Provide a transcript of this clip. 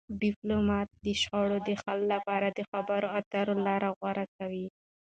ډيپلومات د شخړو د حل لپاره د خبرو اترو لار غوره کوي.